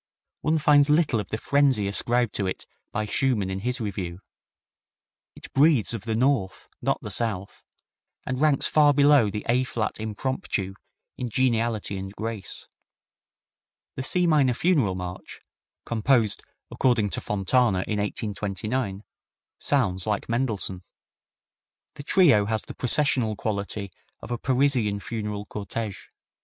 One finds little of the frenzy ascribed to it by Schumann in his review. It breathes of the North, not the South, and ranks far below the A flat Impromptu in geniality and grace. The C minor Funeral March, composed, according to Fontana, in 1829, sounds like Mendelssohn. The trio has the processional quality of a Parisian funeral cortege.